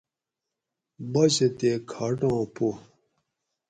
باچہ تے کھاٹاں پو